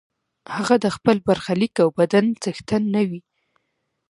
هغه د خپل برخلیک او بدن څښتن نه وي.